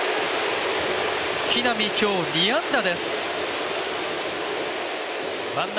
木浪今日、２安打です。